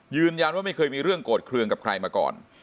ยืนยันว่าไม่เคยมีเรื่องโกรธเคลืองกับใครมาก่อน